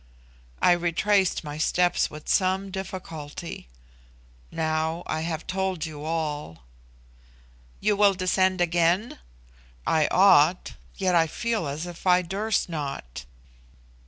I retraced my steps with some difficulty. Now I have told you all." "You will descend again?" "I ought, yet I feel as if I durst not."